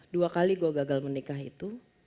dua kali gue gagal menikah itu